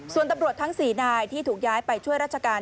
ส่วนตำรวจทั้ง๔นายที่ถูกย้ายไปช่วยราชการ